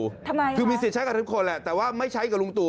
ทำไมคือมีสิทธิ์ใช้กับทุกคนแหละแต่ว่าไม่ใช้กับลุงตู่